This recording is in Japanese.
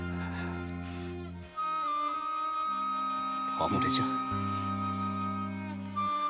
戯れじゃ。